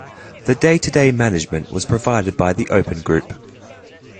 The day-to-day management was provided by the Open Group.